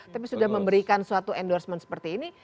tapi sudah memberikan suatu endorsement seperti ini